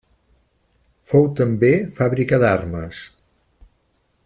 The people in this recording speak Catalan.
Fou també fàbrica d'armes.